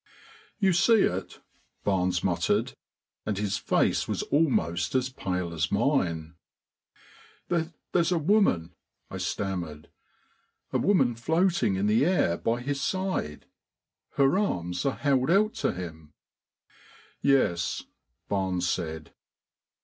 "You see it?" Barnes muttered, and his face was almost as pale as mine. "There's a woman," I stammered, "a woman floating in the air by his side. Her arms are held out to him." "Yes," Barnes said.